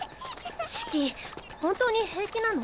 シキ本当に平気なの？